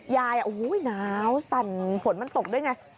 ยายโอ้โหหนาวสั่นฝนมันตกด้วยไง